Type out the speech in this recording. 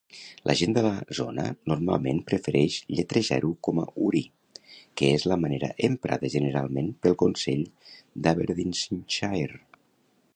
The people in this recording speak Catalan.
La gent de la zona normalment prefereix lletrejar-ho com a "Ury", que és la manera emprada generalment pel consell d'Aberdeenshire.